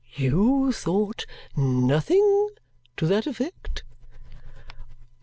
You thought nothing to that effect?"